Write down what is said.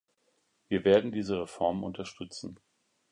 Wir werden diese Reformen unterstützen.